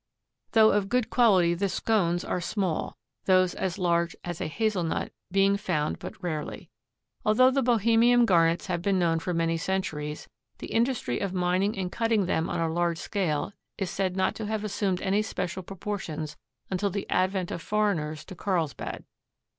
Though of good quality the scones are small, those as large as a hazel nut being found but rarely. Although the Bohemian garnets have been known for many centuries, the industry of mining and cutting them on a large scale is said not to have assumed any special proportions until the advent of foreigners to Karlsbad.